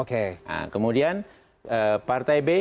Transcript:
nah kemudian partai b